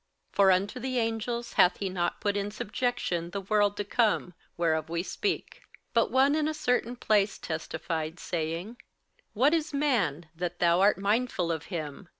58:002:005 For unto the angels hath he not put in subjection the world to come, whereof we speak. 58:002:006 But one in a certain place testified, saying, What is man, that thou art mindful of him?